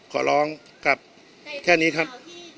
ขอร้องกับแค่นี้ครับ